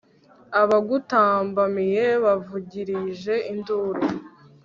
abagutambamiye bavugirije induru